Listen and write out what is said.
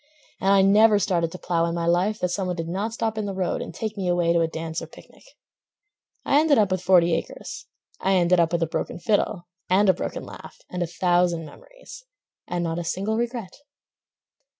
And I never started to plow in my life That some one did not stop in the road And take me away to a dance or picnic. I ended up with forty acres; I ended up with a broken fiddle— And a broken laugh, and a thousand memories, And not a single regret.